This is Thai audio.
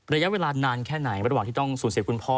ระยะเวลานานแค่ไหนระหว่างที่ต้องสูญเสียคุณพ่อ